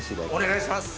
お願いします！